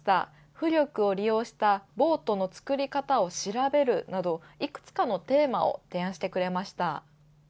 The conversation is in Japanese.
「浮力を利用したボートの作り方を調べる」などいくつかのテーマを提案してくれました。